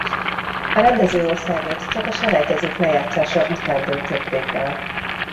A rendező országot csak a selejtezők lejátszása után döntötték el.